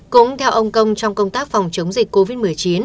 cũng theo ông công trong công tác phòng chống dịch covid một mươi chín